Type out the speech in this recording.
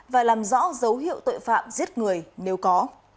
và làm rõ dấu hiệu tội phạm giết người nếu có